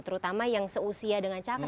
terutama yang seusia dengan caka